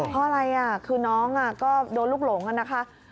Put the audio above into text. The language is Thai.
เพราะอะไรคือน้องก็โดนลูกหลงนะคะ